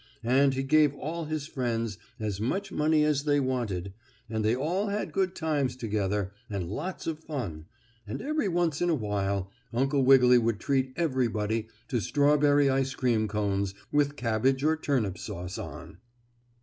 And he gave all his friends as much money as they wanted, and they all had good times together, and lots of fun, and every once in a while Uncle Wiggily would treat everybody to strawberry ice cream cones with cabbage or turnip sauce on.